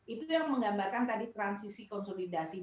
itu yang menggambarkan tadi transisi konsolidasi